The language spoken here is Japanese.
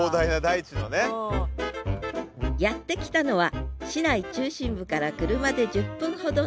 やって来たのは市内中心部から車で１０分ほどの畑。